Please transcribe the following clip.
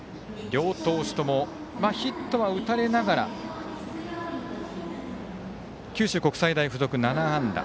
両投手ともヒットは打たれながら九州国際大付属、７安打。